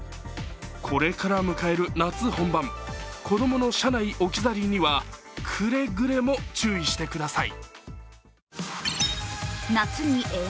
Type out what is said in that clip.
これから迎える夏本番、子供の車内置き去りにはくれぐれも注意してください。